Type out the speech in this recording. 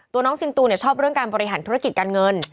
น้องซินตูชอบเรื่องการบริหารธุรกิจการเงิน